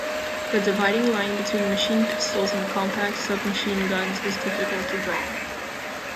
The dividing line between machine pistols and compact submachine guns is difficult to draw.